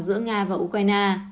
giữa nga và ukraine